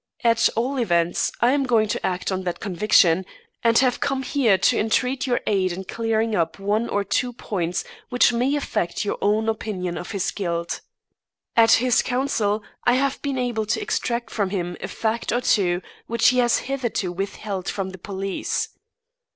At all events, I am going to act on that conviction, and have come here to entreat your aid in clearing up one or two points which may affect your own opinion of his guilt. "As his counsel I have been able to extract from him a fact or two which he has hitherto withheld from the police.